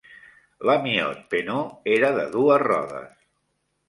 L'Amiot-Peneau era de dues rodes.